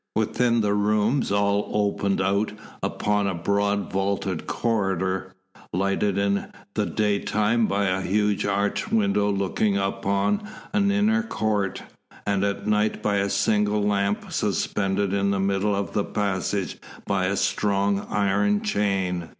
Within the rooms all opened out upon a broad vaulted corridor, lighted in the day time by a huge arched window looking upon an inner court, and at night by a single lamp suspended in the middle of the passage by a strong iron chain.